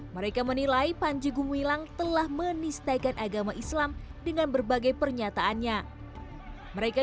mereka menilai panji gumilang telah menistaikan agama islam dengan berbagai pernyataannya mereka